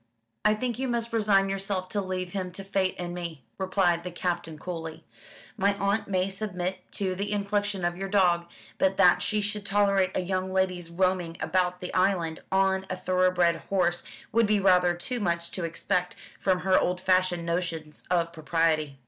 "I think you must resign yourself to leave him to fate and me," replied the Captain coolly; "my aunt may submit to the infliction of your dog, but that she should tolerate a young lady's roaming about the island on a thoroughbred horse would be rather too much to expect from her old fashioned notions of propriety."